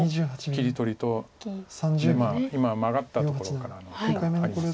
切り取りと今マガったところからの手があります。